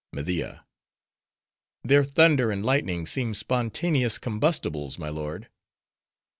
MEDIA—Their thunder and lightning seem spontaneous combustibles, my lord.